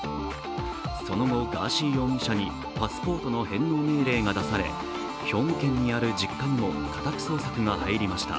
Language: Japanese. その後、ガーシー容疑者にパスポートの返納命令が出され、兵庫県にある実家にも家宅捜索が入りました。